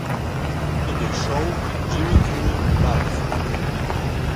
In der Show "Jimmy Kimmel Live!